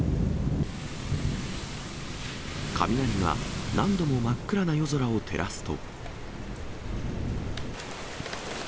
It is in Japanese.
雷が何度も真っ暗な夜空を照らすと。